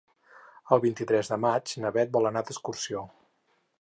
El vint-i-tres de maig na Bet vol anar d'excursió.